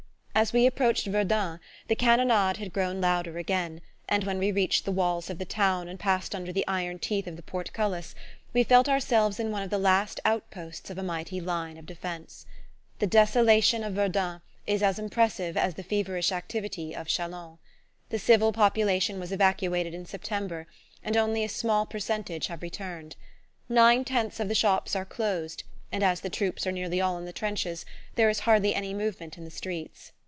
As we approached Verdun the cannonade had grown louder again; and when we reached the walls of the town and passed under the iron teeth of the portcullis we felt ourselves in one of the last outposts of a mighty line of defense. The desolation of Verdun is as impressive as the feverish activity of Chalons. The civil population was evacuated in September, and only a small percentage have returned. Nine tenths of the shops are closed, and as the troops are nearly all in the trenches there is hardly any movement in the streets.